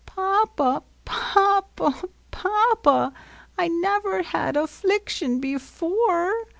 '' Papa ! Papa ! Papa ! I never had a 'fliction before.